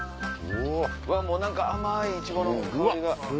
うわもう何か甘いいちごの香りが。